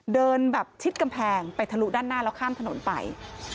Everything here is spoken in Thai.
เดินแบบชิดกำแพงไปทะลุด้านหน้าแล้วข้ามถนนไป